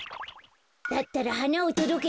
だったらはなをとどけて。